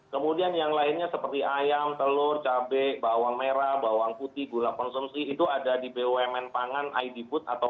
kemudian yang lainnya seperti ayam telur cabai bawang merah bawang putih gula konsumsi itu ada di bumn pangan id put atau rni sebagai holding bumn pangan